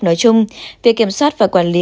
nói chung việc kiểm soát và quản lý